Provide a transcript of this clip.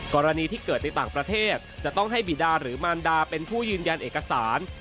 กรณีที่เกิดในต่างประเทศจะต้องให้บิดาหรือมารดาเป็นผู้ยืนยันเอกสาร